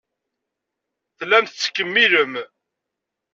Tellam tettkemmilem.